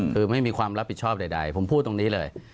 คือไม่มีความรับผิดชอบใดผมพูดตรงนี้เลย